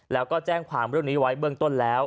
แล้วก็แจ้งความเรื่องนี้ไว้เบื้องต้นแล้ว